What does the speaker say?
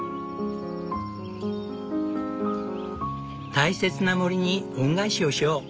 大切な森に恩返しをしよう。